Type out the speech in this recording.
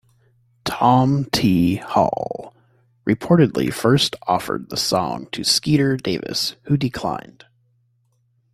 Tom T. Hall reportedly first offered the song to Skeeter Davis, who declined.